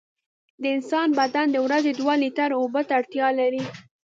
د انسان بدن د ورځې دوه لېټره اوبو ته اړتیا لري.